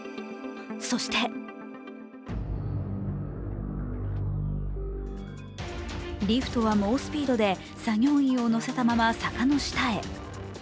そしてリフトは猛スピードで作業員を乗せたまま坂の下へ。